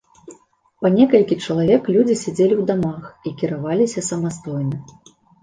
Па некалькі чалавек людзі сядзелі ў дамах і кіраваліся самастойна.